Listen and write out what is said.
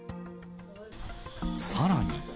さらに。